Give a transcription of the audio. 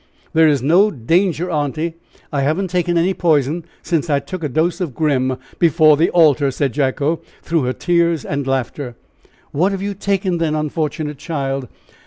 "There is no danger, aunty. I haven't taken any poison since I took a dose of Grim before the altar!" said Jacko, through her tears and laughter. "What have you taken, then, unfortunate child?"